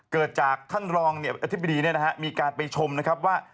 เกิดจากท่านรองอธิบดีเนี่ยนะครับมีการไปชมนะครับว่า